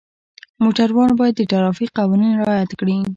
موټروان باید د ټرافیک قوانین رعایت کړي.